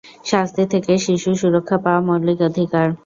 শাস্তি থেকে শিশুর সুরক্ষা পাওয়া মৌলিক অধিকার।